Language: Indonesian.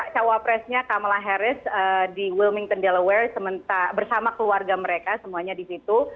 cawapresnya kamala harris di wilmington dellaware bersama keluarga mereka semuanya di situ